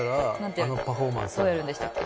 どうやるんでしたっけ？